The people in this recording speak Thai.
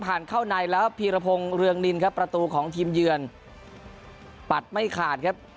เข้าในแล้วพีรพงศ์เรืองนินครับประตูของทีมเยือนปัดไม่ขาดครับ